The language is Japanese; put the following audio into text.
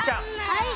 はい！